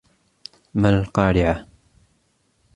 مَا الْقَارِعَةُ